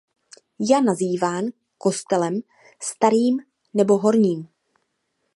Ja nazýván kostelem starým nebo horním.